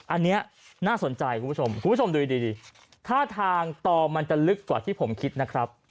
อันนี้น่าสนใจคุณผู้ชมคุณผู้ชมดูดีท่าทางต่อมันจะลึกกว่าที่ผมคิดนะครับ